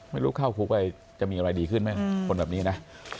ไม่รู้เข้าคุกไปจะมีอะไรดีขึ้นไหมคนแบบนี้นะ